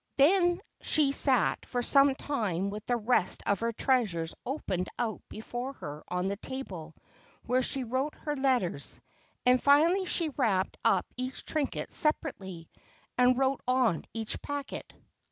Then she sat for some time with the rest of her treasures opened out before her on the table where she wrote her letters, and finally she wrapped up each trinket separately, and wrote on each packet.